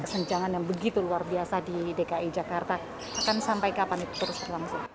kesenjangan yang begitu luar biasa di dki jakarta akan sampai kapan itu terus berlangsung